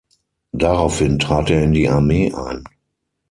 Daraufhin trat er in die Armee ein.